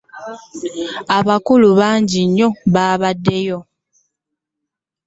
Abakulu bangi nnyo abaabaddeyo.